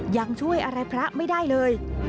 ยังช่วยอะไรพระไม่ได้เลย